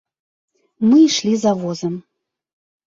Мы ішлі за возам.